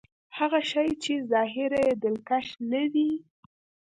هغه شی چې ظاهر يې دلکش نه وي.